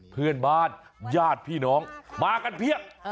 เพื่อนบ้านญาติพี่น้องมากันเพียบ